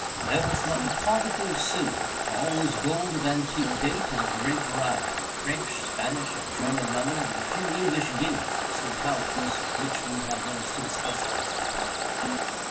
There was not a particle of silver. All was gold of antique date and of great variety—French, Spanish, and German money, with a few English guineas, and some counters, of which we had never seen specimens before.